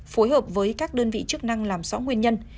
phối hợp với các đơn vị chức năng làm rõ nguyên nhân